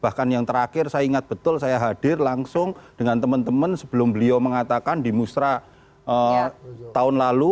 bahkan yang terakhir saya ingat betul saya hadir langsung dengan teman teman sebelum beliau mengatakan di musra tahun lalu